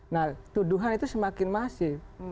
nah tuduhan itu semakin masif